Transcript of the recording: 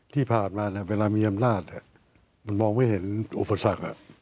ที่ผ่านมาเวลามีอำนาจมันมองไม่เห็นอุปสรรค